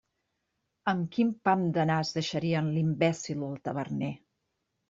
Amb quin pam de nas deixarien l'imbècil del taverner!